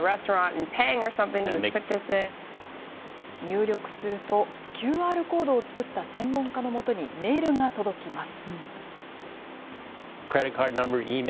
入力すると、ＱＲコードを作った専門家のもとにメールが届きます。